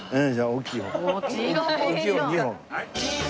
大きい方２本。